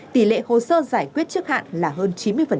tỷ lệ hồ sơ giải quyết trước hạn là hơn chín mươi